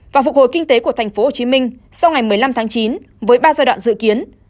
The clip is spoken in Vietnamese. và phục hồi kinh tế của thành phố hồ chí minh sau ngày một mươi năm tháng chín với ba giai đoạn dự kiến